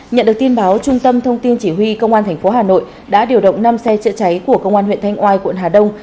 nhận được tin báo trung tâm thông tin chỉ huy công an tp hà nội đã điều động năm xe chữa cháy của công an huyện thanh oai quận hà đông